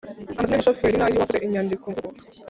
Amazina y'umushoferi n'ay'uwakoze inyandiko-mvugo